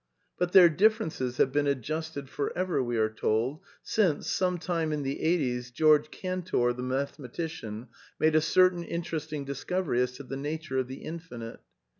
But their differences have been adjusted for ever, we are told, since, some time in the 'eighties, George Cantor, the mathematician, made a cer tain interesting discovery as to the nature of the Infinite.